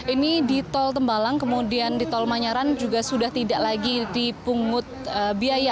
ini di tol tembalang kemudian di tol manyaran juga sudah tidak lagi dipungut biaya